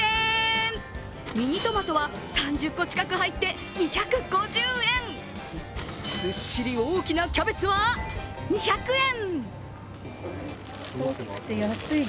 ミニトマトは３０個近く入って２５０円、ずっしり大きなキャベツは２００円。